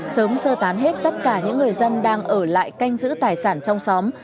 sớm sơ tán hết tất cả những người dân đang ở lại canh giữ tài sản trong xóm